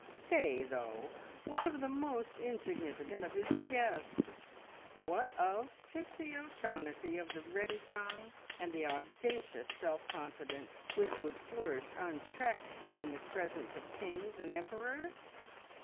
Stay, though! What of the most insignificant of his guests? What of Pixie O'Shaughnessy, of the ready tongue, and the audacious self confidence, which would flourish unchecked in the presence of kings and emperors?